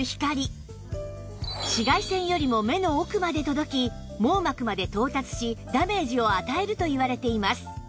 紫外線よりも目の奥まで届き網膜まで到達しダメージを与えるといわれています